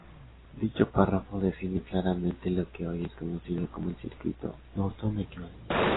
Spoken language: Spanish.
Dicho párrafo define claramente lo que hoy es conocido como el circuito Norton equivalente.